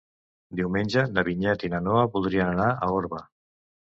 Diumenge na Vinyet i na Noa voldrien anar a Orba.